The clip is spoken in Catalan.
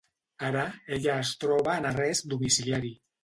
Ara, ella es troba en arrest domiciliari.